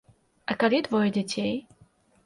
А калі двое дзяцей?